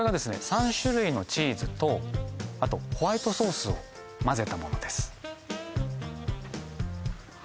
３種類のチーズとあとホワイトソースを混ぜたものです